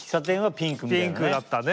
ピンクだったね。